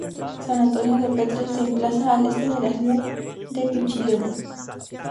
San Antonio de Petrel se emplaza al este de la ciudad de Pichilemu.